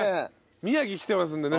宮城来てますのでね